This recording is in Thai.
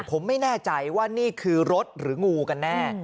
ผมไม่แน่ใจว่านี่คือรถหรืองูกันแน่